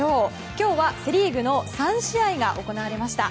今日はセ・リーグの３試合が行われました。